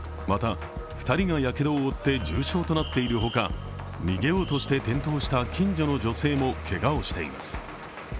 また２人がやけどを負って重傷となっているほか逃げようとして転倒した近所の女性もけがをしています。